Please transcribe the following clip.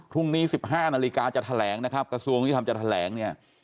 พรุ่งนี้๑๕นาฬิกาจะแถลงนะครับกระทรวงที่ทำจะแถลง